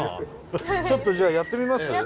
ちょっとじゃあやってみます？